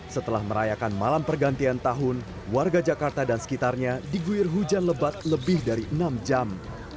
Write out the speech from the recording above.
setelah merayakan malam pergantian tahun warga jakarta dan sekitarnya diguir hujan lebat lebih dari enam jam